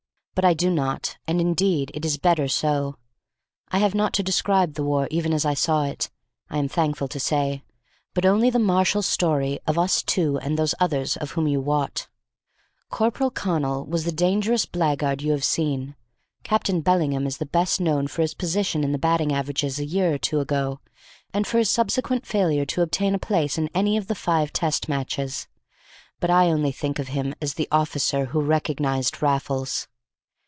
But I do not, and indeed it is better so. I have not to describe the war even as I saw it, I am thankful to say, but only the martial story of us two and those others of whom you wot. Corporal Connal was the dangerous blackguard you have seen. Captain Bellingham is best known for his position in the batting averages a year or two ago, and for his subsequent failure to obtain a place in any of the five Test Matches. But I only think of him as the officer who recognized Raffles.